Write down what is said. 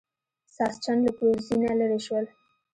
ساسچن له پوزې نه لرې شول.